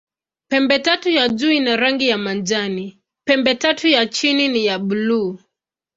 Pembetatu ya juu ina rangi ya majani, pembetatu ya chini ni ya buluu.